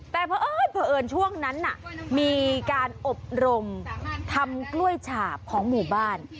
แต่เพราะเอิญช่วงนั้นมีการอบรมทำกล้วยฉาบของหมู่บ้าน